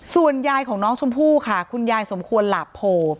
ส่วนยายของน้องชมพู่ค่ะคุณยายสมควรหลาบโพ